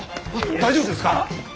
大丈夫ですか？